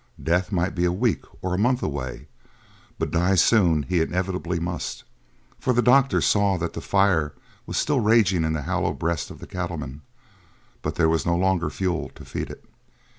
Death might be a week or a month away, but die soon he inevitably must; for the doctor saw that the fire was still raging in the hollow breast of the cattleman, but there was no longer fuel to feed it.